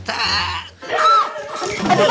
aduh pak aduh